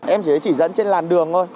em chỉ thấy chỉ dẫn trên làn đường thôi